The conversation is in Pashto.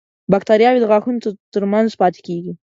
باکتریاوې د غاښونو تر منځ پاتې کېږي.